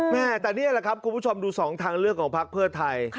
แม่แต่นี่แหละครับคุณผู้ชมดูสองทางเลือกของพักเพื่อไทย